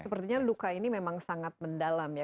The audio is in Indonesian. sepertinya luka ini memang sangat mendalam ya